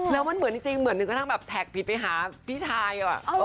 แล้วมันเหมือนจริงเหมือนกระทั่งแบบแท็กผิดไปหาพี่ชาย